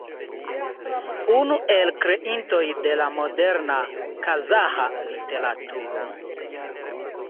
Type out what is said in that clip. Unu el kreintoj de la moderna kazaĥa literaturo.